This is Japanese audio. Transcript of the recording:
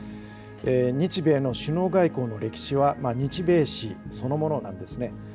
日米の首脳外交の歴史は日米史そのものなんです。